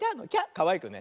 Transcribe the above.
かわいくね。